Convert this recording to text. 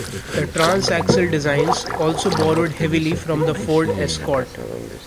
The transaxle designs also borrowed heavily from the Ford Escort.